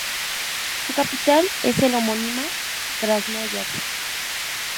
Su capital es la homónima Krasnoyarsk.